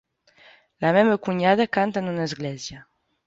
La meva cunyada canta en una església.